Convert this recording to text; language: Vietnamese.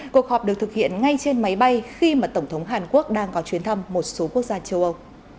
cuộc họp được thực hiện ngay trên máy bay khi mà tổng thống hàn quốc đang có chuyến thăm một số quốc gia châu âu